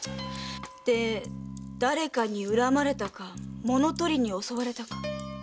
で誰かに恨まれたか物取りに襲われたか。